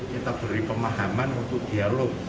kita beri pemahaman untuk dialog